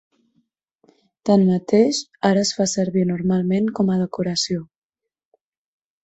Tanmateix, ara es fa servir normalment com a decoració.